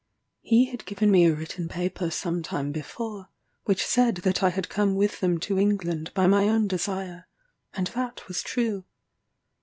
He had given me a written paper some time before, which said that I had come with them to England by my own desire; and that was true.